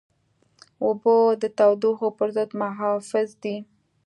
اوبه د تودوخې پر ضد محافظ دي.